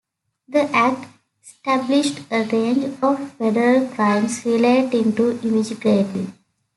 The Act established a range of federal crimes relating to immigration.